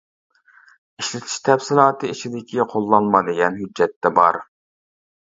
ئىشلىتىش تەپسىلاتى ئىچىدىكى قوللانما دېگەن ھۆججەتتە بار.